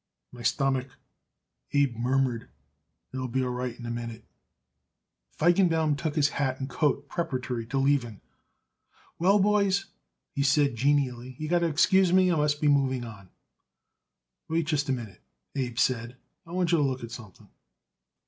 "My stummick," Abe murmured. "I'll be all right in a minute!" Feigenbaum took his hat and coat preparatory to leaving. "Well, boys," he said genially, "you got to excuse me. I must be moving on." "Wait just a minute," Abe said. "I want you to look at something."